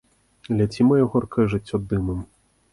Ляці, маё горкае жыццё, дымам!